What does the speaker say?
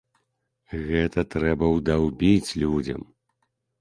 Гэта трэба ўдаўбіць людзям.